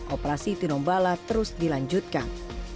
operasi tinombala terus dilanjutkan